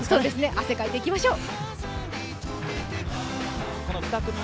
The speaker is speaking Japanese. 汗かいて、いきましょう！